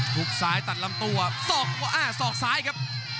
ฮุกซ้ายตัดลำตัวศอกอ่าศอกซ้ายครับ